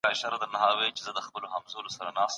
د ستنو او تیغونو څخه احتیاط وکړئ.